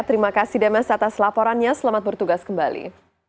terima kasih demes atas laporannya selamat bertugas kembali